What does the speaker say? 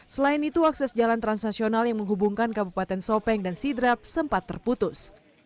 selain itu akses jalan transnasional yang menghubungkan kabupaten sopeng dan sidrap sempat terputus